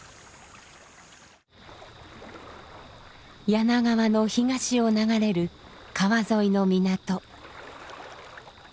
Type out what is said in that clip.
柳川の東を流れる川沿いの港。